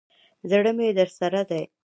زړه مي درسره دی.